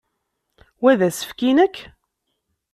Wa d asefk i nekk?